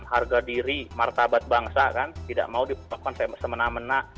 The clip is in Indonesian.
harga diri martabat bangsa kan tidak mau dilakukan semena mena